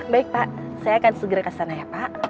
baik pak saya akan segera kesana ya pak